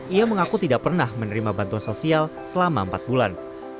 ia mengaku tidak pernah menerima bantuan sosial selama empat bulan